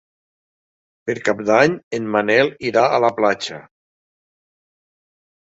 Per Cap d'Any en Manel irà a la platja.